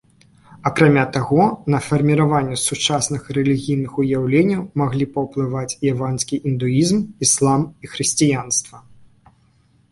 Акрамя таго, на фарміраванне сучасных рэлігійных уяўленняў маглі паўплываць яванскі індуізм, іслам і хрысціянства.